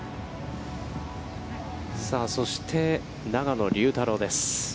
そして、永野竜太郎です。